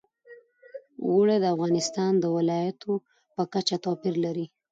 اوړي د افغانستان د ولایاتو په کچه توپیر لري.